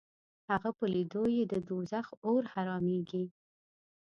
هغه چې په لیدو یې د دوزخ اور حرامېږي